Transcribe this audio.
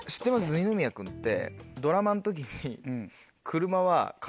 二宮君って。